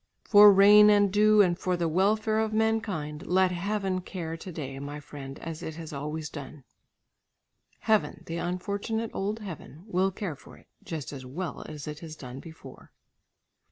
"For rain and dew and for the welfare of mankind, let heaven care to day, my friend, as it has always done." Heaven, the unfortunate old heaven will care for it, just as well as it has done before.